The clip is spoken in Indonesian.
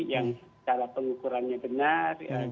yang cara pengukurannya benar